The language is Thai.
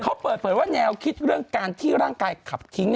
เขาเปิดเผยว่าแนวคิดเรื่องการที่ร่างกายขับทิ้ง